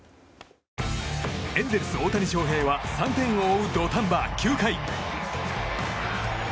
エンゼルス、大谷翔平は３点を追う土壇場、９回。